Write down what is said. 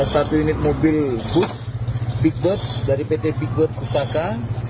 satu unit mobil bus big bird dari pt big bird kusaka